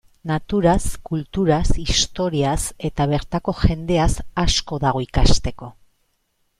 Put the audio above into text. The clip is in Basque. Naturaz, kulturaz, historiaz, eta bertako jendeaz asko dago ikasteko.